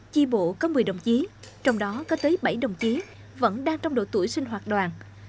chi bộ có một mươi đồng chí trong đó có tới bảy đồng chí vẫn đang trong độ tuổi sinh hoạt đoàn